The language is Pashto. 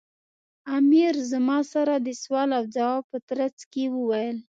امیر زما سره د سوال و ځواب په ترڅ کې وویل.